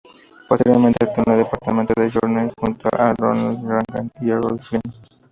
Posteriormente actuó en "Desperate Journey", junto a Ronald Reagan y Errol Flynn.